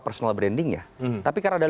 personal brandingnya tapi karena ada